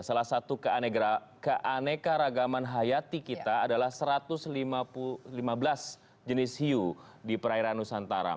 salah satu keanekaragaman hayati kita adalah satu ratus lima belas jenis hiu di perairan nusantara